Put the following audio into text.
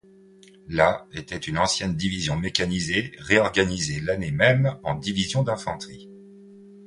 La était une ancienne division mécanisée réorganisée l'année même en division d'infanterie.